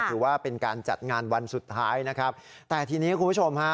ถือว่าเป็นการจัดงานวันสุดท้ายนะครับแต่ทีนี้คุณผู้ชมฮะ